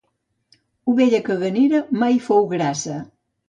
Ovella caganera mai fou grassa.